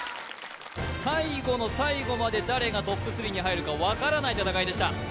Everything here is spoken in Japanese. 最後の最後まで誰がトップ３に入るか分からない戦いでした